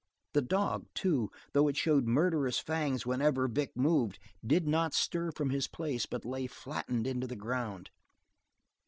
The dog, too, though it showed murderous fangs whenever Vic moved, did not stir from his place, but lay flattening into the ground.